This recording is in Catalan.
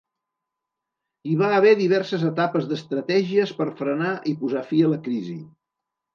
Hi va haver diverses etapes d'estratègies per frenar i posar fi a la crisi.